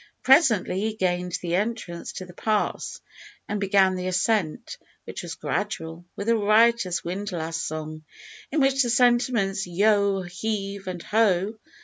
Presently he gained the entrance to the pass and began the ascent, which was gradual, with a riotous windlass song, in which the sentiments, yo! heave! and ho!